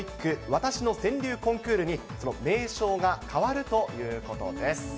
わたしの川柳コンクールに、その名称が変わるということです。